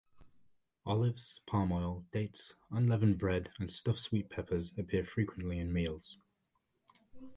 Olives, palm oil, dates, unleavened bread, and stuffed sweet peppers appear frequently in meals.